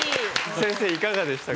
先生いかがでしたか？